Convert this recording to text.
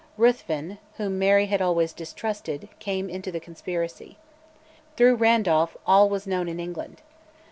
Ruthven, whom Mary had always distrusted, came into the conspiracy. Through Randolph all was known in England.